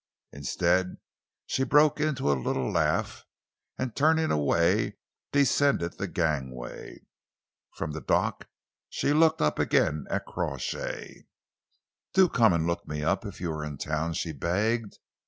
Instead she broke into a little laugh, and, turning away, descended the gangway. From the dock she looked up again at Crawshay. "Do come and look me up if you are in town," she begged.